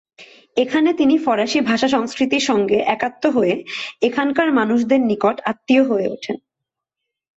এখানে তিনি ফরাসি ভাষা-সংস্কৃতির সঙ্গে একাত্ম হয়ে এখানকার মানুষদের নিকট আত্মীয় হয়ে ওঠেন।